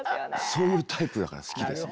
そういうタイプだから好きです。